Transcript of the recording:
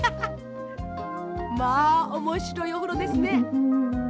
まあおもしろいおふろですね。